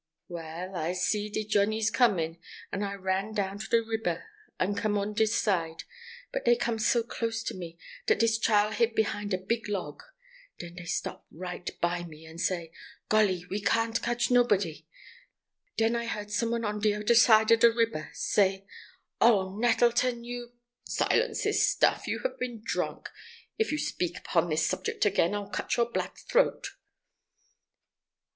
Well, I see'd de Johnnies comin', and I ran down to de riber to come on dis side, but dey come so close to me dat dis chile hid behind a big log. Den dey stop right by me, and say, 'Golly, we can't cotch nobody.' Den I he'rd some one on de oder side ob de riber say, "Oh, Nettleton, you—" "Silence this stuff! You have been drunk. If you speak upon this subject again, I'll cut your black throat."